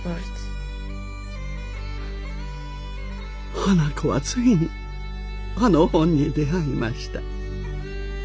花子はついにあの本に出会いました。